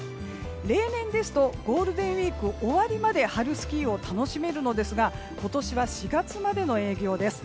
例年ですとゴールデンウィーク終わりまで春スキーを楽しめるのですが今年は４月までの営業です。